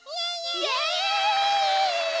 イエイ！